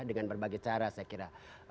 dengan berbagai cara saya kira